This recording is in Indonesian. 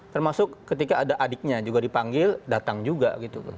termasuk ketika ada adiknya juga dipanggil datang juga gitu